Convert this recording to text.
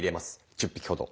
１０匹ほど。